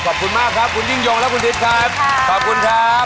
ขอบคุณมากครับคุณจิ้งโยงและคุณทิศครับ